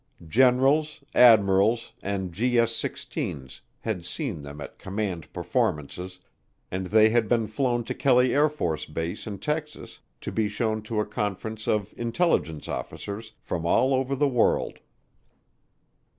Generals, admirals, and GS 16's had seen them at "command performances," and they had been flown to Kelly AFB in Texas to be shown to a conference of intelligence officers from all over the world.